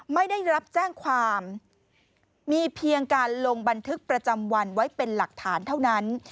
ไม่ได้รับแจ้งความมีเพียงการลงบันทึกประจำวันไว้เป็นหลักฐานเท่านั้น